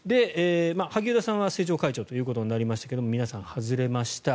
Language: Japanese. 萩生田さんは政調会長となりましたが皆さん、外れました。